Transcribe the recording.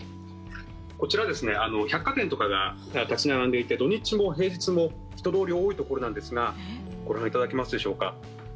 こちら百貨店とかが立ち並んでいて土日も平日も人通り多いところなんですがご覧いただけますでしょうか。